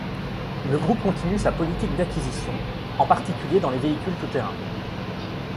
Le groupe continue sa politique d'acquisitions, en particulier dans les véhicules tout-terrain.